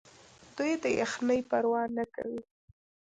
دوی د یخنۍ پروا نه کوي.